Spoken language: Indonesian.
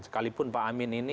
sekalipun pak amin ini